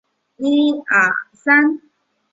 纹绡蝶属是蛱蝶科斑蝶亚科绡蝶族中的一个属。